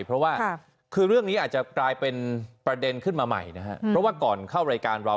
เพราะว่าคือเรื่องนี้อาจจะกลายเป็นประเด็นขึ้นมาใหม่นะครับเพราะว่าก่อนเข้ารายการเรา